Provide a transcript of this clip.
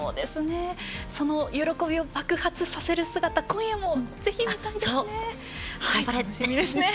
その喜びを爆発させる姿今夜もぜひ見たいですね。